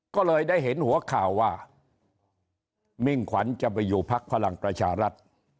ก็เลยได้เห็นหัวข่าวว่ามิ่งขวัญจะไปอยู่พักพลังประชารัฐ